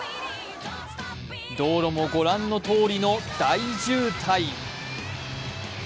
道路もご覧のとおりの大渋滞。